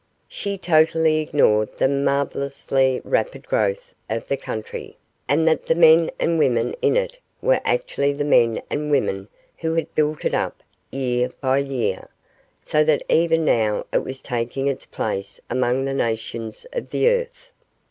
She totally ignored the marvellously rapid growth of the country, and that the men and women in it were actually the men and women who had built it up year by year, so that even now it was taking its place among the nations of the earth.